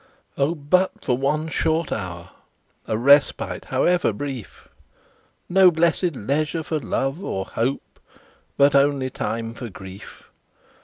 "Oh! but for one short hour! A respite however brief! No blessed leisure for Love or Hope, But only time for Grief!